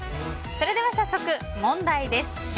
それでは早速問題です。